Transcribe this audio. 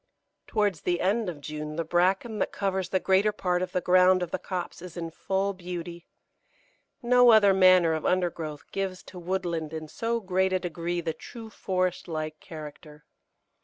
Towards the end of June the bracken that covers the greater part of the ground of the copse is in full beauty. No other manner of undergrowth gives to woodland in so great a degree the true forest like character.